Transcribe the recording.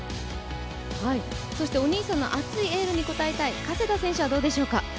お兄さんの熱いエールに応えたい加世田選手はどうでしょう？